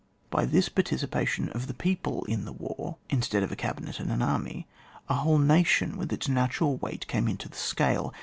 By this participation of the people in the war instead of a cabinet and an army, a whole nation with its natu ral weight came into the scale.